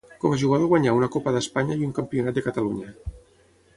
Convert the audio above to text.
Com a jugador guanyà una Copa d'Espanya i un Campionat de Catalunya.